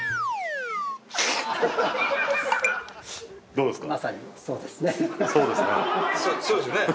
どうですか？